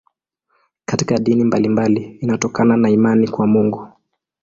Katika dini mbalimbali inatokana na imani kwa Mungu.